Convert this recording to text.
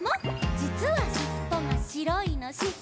「じつはしっぽがしろいのしってた？」